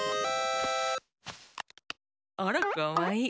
あらかわいい！